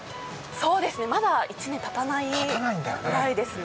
そうですね、まだ１年たたないぐらいですね。